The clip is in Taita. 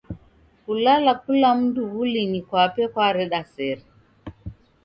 Kulala kula mndu w'ulinyi kwape kwareda sere.